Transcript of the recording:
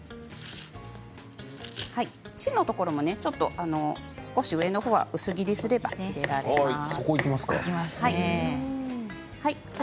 芯のところも少し上のほうは薄切りにすれば食べられます。